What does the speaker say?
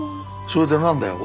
それで何だよ。